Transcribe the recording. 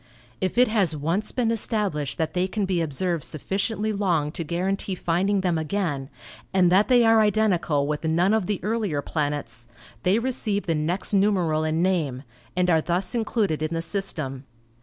If it has once been established that they can be observed sufficiently long to guarantee finding them again, and that they are identical with none of the earlier planets, they receive the next numeral and name, and are thus included in the system.